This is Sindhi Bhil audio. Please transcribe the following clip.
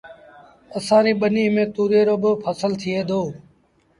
اسآݩ ريٚ ٻنيٚ ميݩ تُوريئي رو با ڦسل ٿئي دو